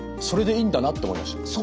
それでいいんだなって思いました。